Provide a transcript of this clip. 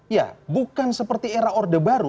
ya bukan seperti era orde baru